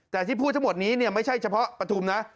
แต่ที่พูดทั้งหมดนี้ไม่ใช่เฉพาะปฐุมนะ